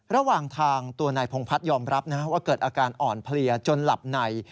ระหว่างทางตัวนายพงพัฒน์ยอมรับว่าเกิดอาการอ่อนเพลียจนหลับใน